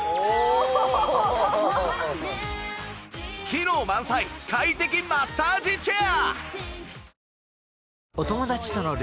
機能満載快適マッサージチェア！